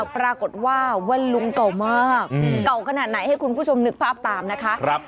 ปรากฏว่าวันลุงเก่ามากเก่าขนาดไหนให้คุณผู้ชมนึกภาพตามนะคะ